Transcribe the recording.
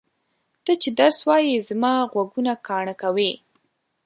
ته چې درس وایې زما غوږونه کاڼه کوې!